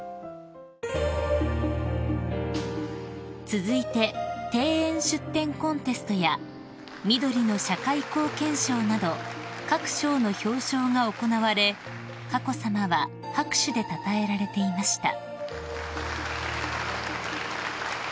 ［続いて庭園出展コンテストやみどりの社会貢献賞など各賞の表彰が行われ佳子さまは拍手でたたえられていました］